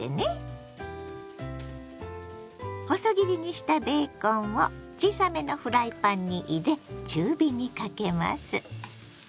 細切りにしたベーコンを小さめのフライパンに入れ中火にかけます。